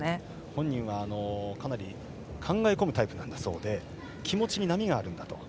本人はかなり考え込むタイプだそうで気持ちに波があるんだと。